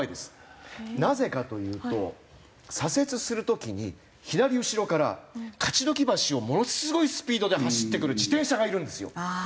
なぜかというと左折する時に左後ろから勝どき橋をものすごいスピードで走ってくる自転車がいるんですよ。